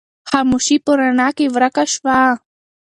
خاموشي په رڼا کې ورکه شوه.